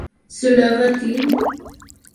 Cela va-t-il ?